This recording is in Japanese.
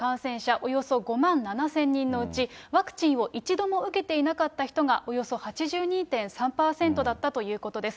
およそ５万７０００人のうち、ワクチンを一度も受けていなかった人がおよそ８２．３％だったということです。